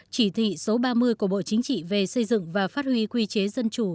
chỉ thị số ba mươi của bộ chính trị về xây dựng và phát huy quy chế dân chủ